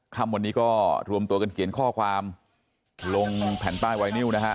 ค่ำวันนี้ก็รวมตัวกันเขียนข้อความลงแผ่นป้ายไวนิวนะฮะ